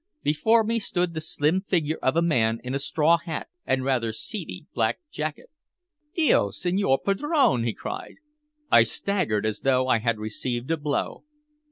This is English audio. Before me stood the slim figure of a man in a straw hat and rather seedy black jacket. "Dio Signor Padrone!" he cried. I staggered as though I had received a blow.